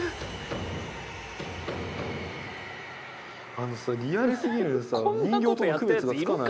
あのさリアルすぎるんさ人形との区別がつかない。